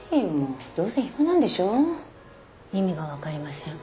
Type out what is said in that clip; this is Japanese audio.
意味が分かりません。